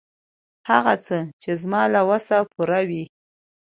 هغه څه، چې زما له وس پوره وي.